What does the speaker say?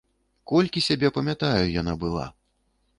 Колькі сябе памятаю, яна была.